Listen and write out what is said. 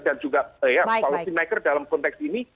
dan juga policy maker dalam konteks ini